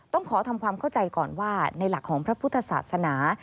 ต้องขอทำความเข้าใจก่อนว่าในหลักของพระพุทธศาสนา